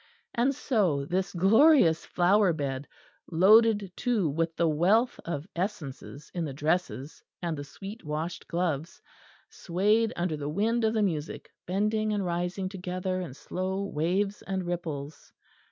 And so this glorious flower bed, loaded too with a wealth of essences in the dresses and the sweet washed gloves, swayed under the wind of the music, bending and rising together in slow waves and ripples.